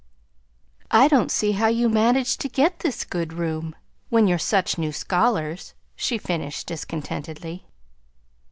I don't see how you managed to get this good room when you're such new scholars," she finished discontentedly.